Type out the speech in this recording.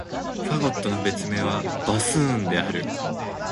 ファゴットの別名は、バスーンである。